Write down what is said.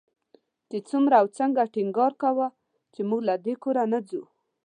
څومره او څنګه ټینګار کاوه چې موږ له دې کوره نه ځو.